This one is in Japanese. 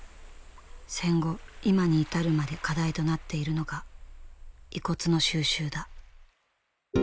戦後今に至るまで課題となっているのが遺骨の収集だ。